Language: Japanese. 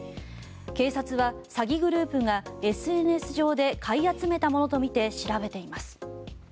警察は詐欺グループがＳＮＳ上で買い集めたものとみて調べています。